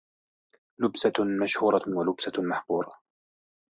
لُبْسَةٌ مَشْهُورَةٌ وَلُبْسَةٌ مَحْقُورَةٌ